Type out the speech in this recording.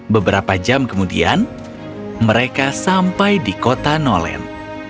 beberapa jam kemudian mereka sampai di kota nolen